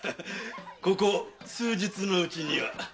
ここ数日のうちには。